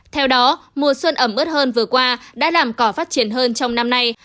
theo đó mùa xuân ẩm ớt hơn vừa qua đã làm cỏ phát triển hơn trong năm nay